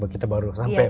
kita baru sampai pas